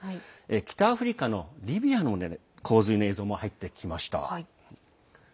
北アフリカのリビアの洪水の映像も入ってきました。